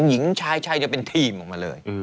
หญิงชายเดี๋ยวเป็นทีมออกมาเลย